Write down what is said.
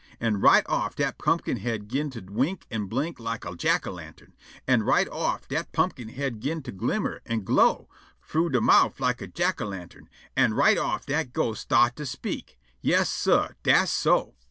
An' right off dat pumpkin head 'gin' to wink an' blink like a jack o' lantern, an' right off dat pumpkin head 'gin' to glimmer an' glow frough de mouf like a jack o' lantern, an' right off dat ghost start' to speak. Yas, sah, dass so.